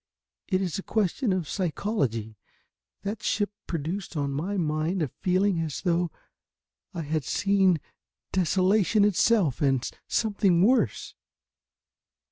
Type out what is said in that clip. It is a question of psychology. That ship produced on my mind a feeling as though I had seen desolation itself, and something worse."